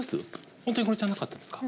本当にこれじゃなかったですか？